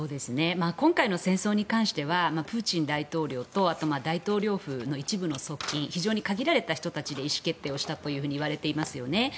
今回の戦争に関してはプーチン大統領とあと、大統領府の一部の側近非常に限られた人たちで意思決定をしたといわれていますよね。